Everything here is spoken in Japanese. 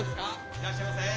いらっしゃいませ。